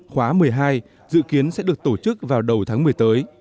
khóa một mươi hai dự kiến sẽ được tổ chức vào đầu tháng một mươi tới